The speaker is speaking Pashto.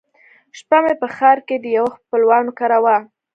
شپه مې په ښار کښې د يوه خپلوان کره وه.